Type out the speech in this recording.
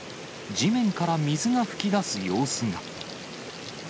地面から水が噴き出す様子が。